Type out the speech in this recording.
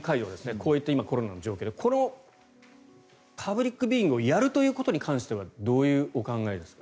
こういった今、コロナの状況でこのパブリックビューイングをやるということに関してはどういうお考えですか？